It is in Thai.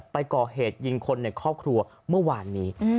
ไปก่อเหตุยิงคนในครอบครัวเมื่อวานนี้